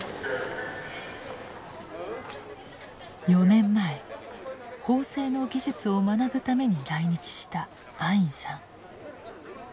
４年前縫製の技術を学ぶために来日したアインさん。